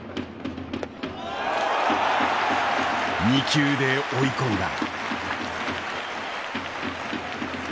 ２球で追い込んだ。